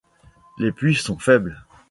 Les pluies sont faibles.